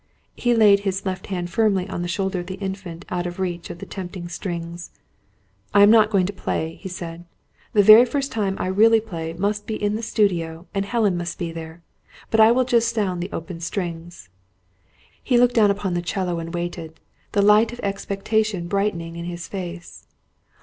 He laid his left hand firmly on the shoulder of the Infant, out of reach of the tempting strings. "I am not going to play," he said. "The very first time I really play, must be in the studio, and Helen must be there. But I will just sound the open strings." He looked down upon the 'cello and waited, the light of expectation brightening in his face.